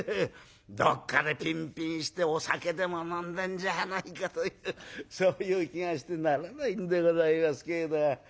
どっかでピンピンしてお酒でも飲んでんじゃないかとそういう気がしてならないんでございますけれど。